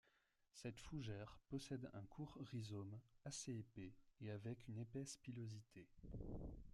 Cette fougère possède un court rhizome, assez épais et avec une épaisse pilosité.